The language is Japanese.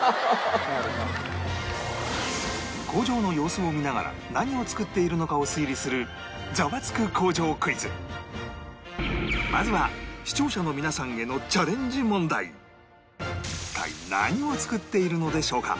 工場の様子を見ながら何を作っているのかを推理するまずは視聴者の皆さんへの一体何を作っているのでしょうか？